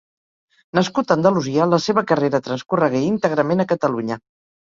Nascut a Andalusia, la seva carrera transcorregué íntegrament a Catalunya.